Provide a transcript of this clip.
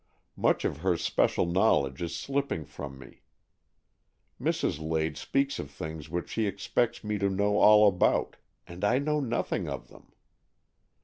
Much of her special knowledge is slipping from me. Mrs. Lade speaks of things which she expects me to know all about, and I know nothing of them.